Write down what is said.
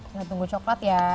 nggak tunggu coklat ya